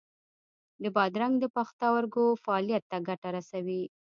د بادرنګ د پښتورګو فعالیت ته ګټه رسوي.